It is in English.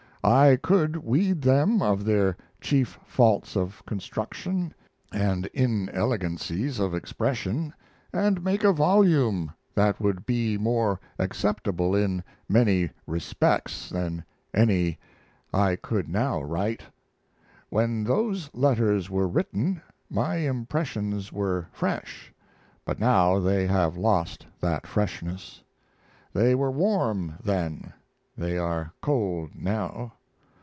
I could weed them of their chief faults of construction and inelegancies of expression, and make a volume that would be more acceptable in many respects than any I could now write. When those letters were written my impressions were fresh, but now they have lost that freshness; they were warm then, they are cold now.